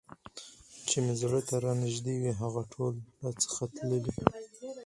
چي مي زړه ته رانیژدې وي هغه ټول راڅخه تللي